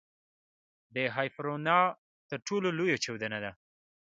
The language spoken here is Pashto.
د هایپرنووا تر ټولو لویه چاودنه ده.